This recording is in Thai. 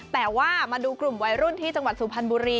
แต่ว่ามาดูกลุ่มวัยรุ่นที่จังหวัดสุพรรณบุรี